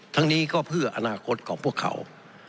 ทั้งนี้ก็เพื่ออนาคตของพวกเขา